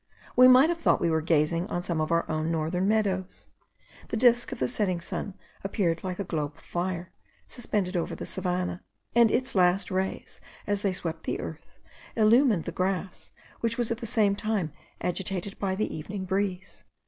We might have thought we were gazing on some of our own northern meadows. The disk of the setting sun appeared like a globe of fire suspended over the savannah; and its last rays, as they swept the earth, illumined the grass, which was at the same time agitated by the evening breeze.